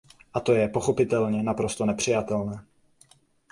A to je, pochopitelně, naprosto nepřijatelné.